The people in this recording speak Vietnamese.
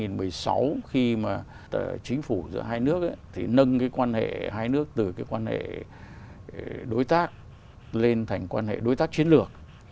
năm hai nghìn một mươi sáu khi mà chính phủ giữa hai nước thì nâng cái quan hệ hai nước từ cái quan hệ đối tác lên thành quan hệ đối tác chiến lược